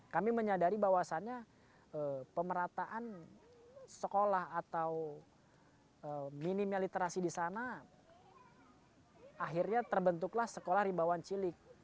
kami menyadari bahwasannya pemerataan sekolah atau minimnya literasi di sana akhirnya terbentuklah sekolah ribawan cilik